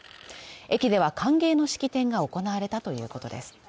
駅では歓迎の式典が行われたということです